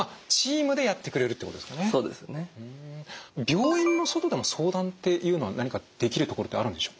病院の外でも相談っていうのは何かできる所ってあるんでしょうか？